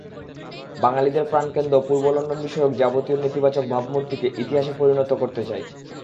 বাঙালিদের প্রাণকেন্দ্র পূর্ব লন্ডন বিষয়ক যাবতীয় নেতিবাচক ভাবমূর্তিকে ইতিহাসে পরিণত করতে চাই।